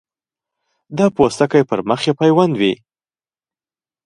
دا پوستکی پر مخ یې پیوند وي.